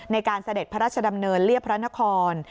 เสด็จพระราชดำเนินเรียบพระนคร